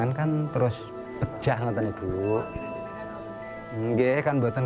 nah polisi lawan